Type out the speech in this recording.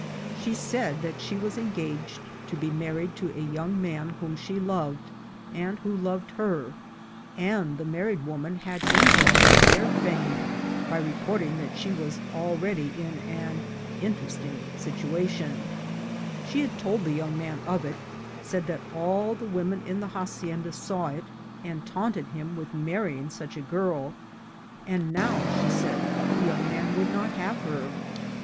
She said that she was enga ged to be married to a young man whom she loved and who loved her, and the married woman had inju red her fair fame by reporting that she was already in " an interesting situation;" she had told the young man of it, said that all the women in the hacienda saw it, and taunted him with marrying such a girl; and now, she said, the young man would not have her.